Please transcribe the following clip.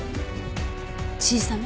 小さめ？